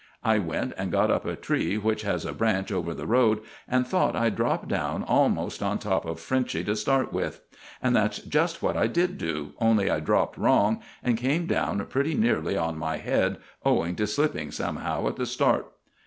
I went and got up a tree which has a branch over the road, and I thought I'd drop down almost on top of Frenchy to start with. And that's just what I did do, only I dropped wrong, and came down pretty nearly on my head owing to slipping somehow at the start.